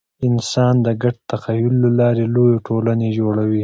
انسانان د ګډ تخیل له لارې لویې ټولنې جوړوي.